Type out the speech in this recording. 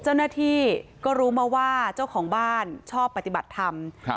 เจ้าหน้าที่ก็รู้มาว่าเจ้าของบ้านชอบปฏิบัติธรรม